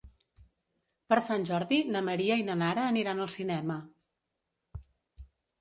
Per Sant Jordi na Maria i na Nara aniran al cinema.